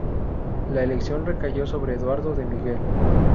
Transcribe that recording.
La elección recayó sobre Eduardo de Miguel.